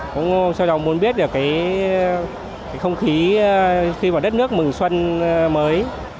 cũng cho đồng muốn biết được cái không khí khi vào đất nước mừng xuân mới